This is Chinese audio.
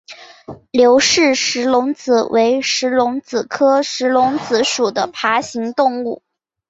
刘氏石龙子为石龙子科石龙子属的爬行动物。